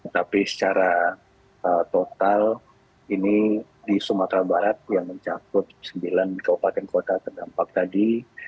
tapi secara total ini di sumatera barat yang mencakup sembilan kabupaten kota terdampak tadi